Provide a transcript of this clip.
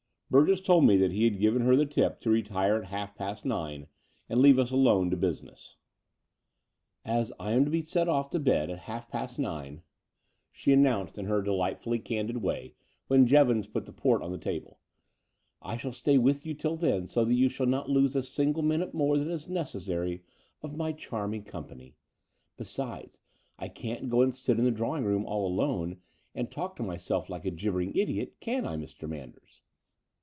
Burgess told me that he had given her the tip to retire at half past nine and leave us alone to busi ness. 'As I am to be sent off to bed at half past nine," The Dower House 221 she announced in her delightfully candid way, when Jevons put the port on the table, I shall stay with you till then, so that you shall not lose a single minute more than is necessary of my charming company. Besides, I can't go and sit in the drawing room all alone and talk to myself like a jibbering idiot can I, Mr. Manders?"